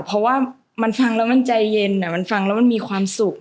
เพราะว่ามันฟังแล้วมันใจเย็นมันฟังแล้วมันมีความสุข